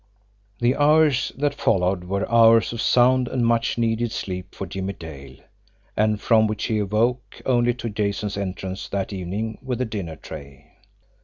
The hours that followed were hours of sound and much needed sleep for Jimmie Dale, and from which he awoke only on Jason's entrance that evening with the dinner tray.